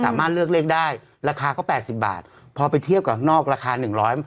สามารถเลือกเลขได้ราคาก็๘๐บาทพอไปเทียบกับนอกราคาหนึ่งร้อย